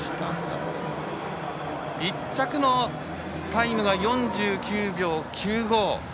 １着のタイムが４９秒９５。